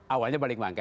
awalnya balit bankes